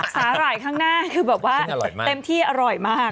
หร่ายข้างหน้าคือแบบว่าเต็มที่อร่อยมาก